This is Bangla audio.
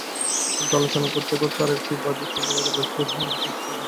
কিন্তু আলোচনা করতে করতে আরেকটি বাজেট চলে এলে ব্যবসায়ীরা হতাশ হবেন।